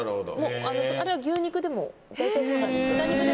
あれは牛肉でも大体そうなんです豚肉でも。